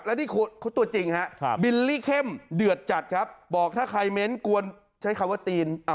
แล้วนี่เขาตัวจริงฮะบิลลี่เข้มเดือดจัดครับบอกถ้าใครเม้นกวนใช้คำว่าตีน